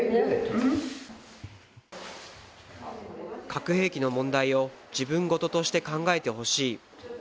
核兵器の問題を自分事として考えてほしい。